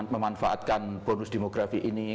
memanfaatkan bonus demografi ini